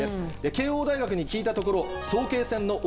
慶応大学に聞いたところ。